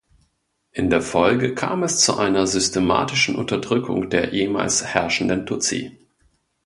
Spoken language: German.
In der Folge kam es zu einer systematischen Unterdrückung der ehemals herrschenden Tutsi.